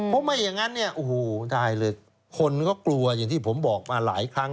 เพราะไม่อย่างนั้นเนี่ยโอ้โหได้เลยคนก็กลัวอย่างที่ผมบอกมาหลายครั้ง